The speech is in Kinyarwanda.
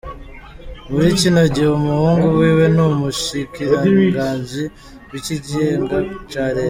Muri kino gihe umuhungu wiwe ni umushikiranganji w'ikigega ca reta.